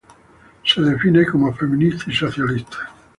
Se define como feminista y socialista.